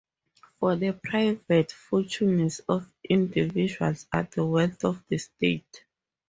For the private fortunes of individuals are the wealth of the state.